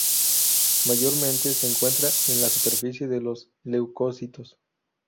Mayormente se encuentra en la superficie de los leucocitos.